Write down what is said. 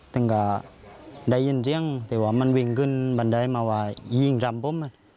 ซึ่งก็ได้ยินเสียงแต่ว่ามันวิ่งขึ้นบันไดมาว่ายิงรำผม